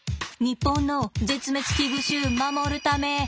日本の絶滅危惧種守るため。